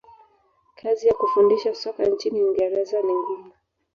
kazi ya kufundisha soka nchini uingereza ni ngumu